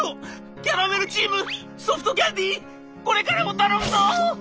キャラメルチームソフトキャンディーこれからも頼むぞ！」。